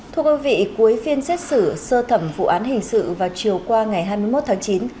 thưa quý vị cuối phiên xét xử sơ thẩm vụ án hình sự vào chiều qua ngày hai mươi một tháng chín